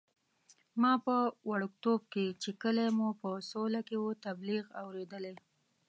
ما په وړکتوب کې چې کلی مو په سوله کې وو، تبلیغ اورېدلی.